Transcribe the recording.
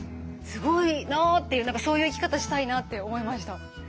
すごいなっていう何かそういう生き方したいなって思いました。